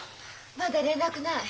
まだ連絡ない。